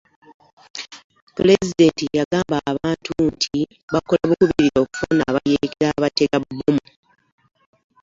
pulezidenti yagamba abantu nti bakola bukubirire okufuna abayeekera abatega bbomu.